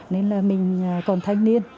nên là mình còn thanh niên